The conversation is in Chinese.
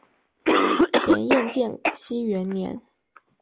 前燕建熙元年。